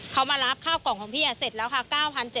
เขามารับข้าวกล่องของพี่เสร็จแล้วค่ะ